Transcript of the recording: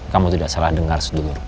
kamu tidak salah dengar sedugur